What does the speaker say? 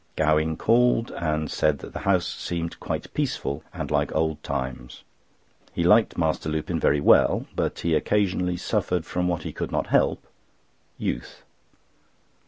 Gowing called, and said that the house seemed quite peaceful, and like old times. He liked Master Lupin very well, but he occasionally suffered from what he could not help—youth.